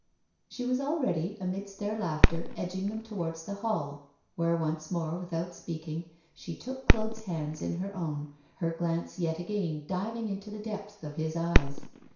She was already, amidst their laughter, edging them towards the hall, where once more, without speaking, she took Claude's hands in her own, her glance yet again diving into the depths of his eyes.